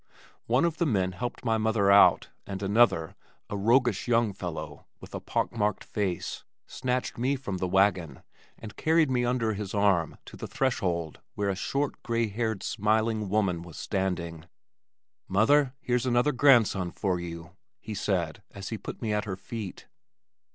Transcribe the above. One of the men helped my mother out and another, a roguish young fellow with a pock marked face, snatched me from the wagon and carried me under his arm to the threshold where a short, gray haired smiling woman was standing. "Mother, here's another grandson for you," he said as he put me at her feet.